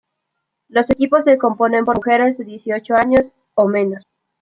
Los equipos se componen por mujeres de dieciocho años o menos.